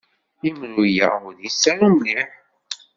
Imru-a ur yettaru mliḥ.